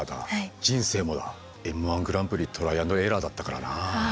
「Ｍ−１グランプリ」トライ＆エラーだったからなあ。